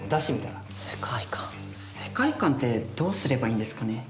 世界観ってどうすればいいんですかね？